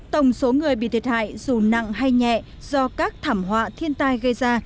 tổng số người bị thiệt hại dù nặng hay nhẹ do các thảm họa thiên tai gây ra